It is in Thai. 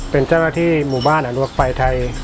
เป็นเจ้าหน้าที่หมู่บ้านอนุรักษ์ไฟไทย